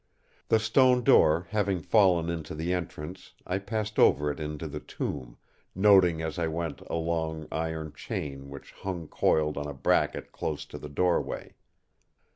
The stone door having fallen into the entrance I passed over it into the tomb, noting as I went a long iron chain which hung coiled on a bracket close to the doorway.